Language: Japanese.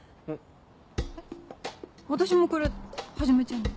私もこれはじめちゃんに。